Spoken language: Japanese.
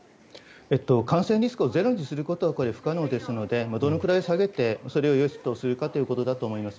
感染リスクをゼロにすることは不可能ですのでどのくらい下げてそれをよしとするかだと思います。